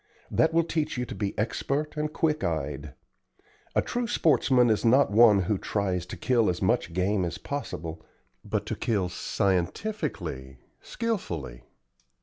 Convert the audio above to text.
That will teach you to be expert and quick eyed. A true sportsman is not one who tries to kill as much game as possible, but to kill scientifically, skilfully.